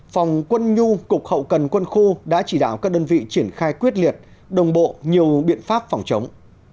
phòng quân nhu cục hậu cần quân khu đã chỉ đạo các đơn vị triển khai quyết liệt đồng bộ nhiều biện pháp phòng chống